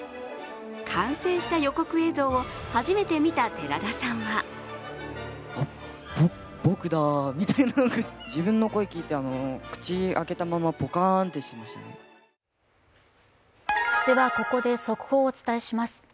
完成した予告映像を初めて見た寺田さんはここで速報をお伝えします。